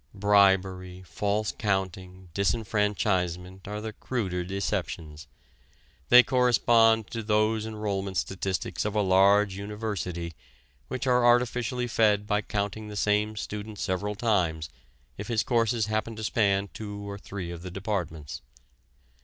Bribery, false counting, disfranchisement are the cruder deceptions; they correspond to those enrolment statistics of a large university which are artificially fed by counting the same student several times if his courses happen to span two or three of the departments.